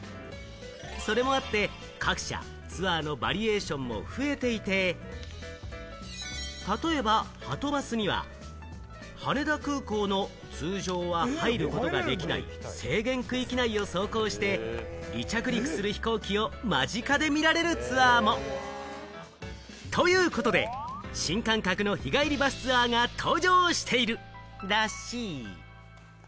それもあって、各社ツアーのバリエーションも増えていて、例えば、はとバスには羽田空港の通常は入ることができない制限区域内を走行して、離着陸する飛行機を間近で見られるツアーも。ということで、新感覚の日帰りバスツアーが登場しているらしい。